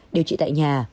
điều trị tại nhà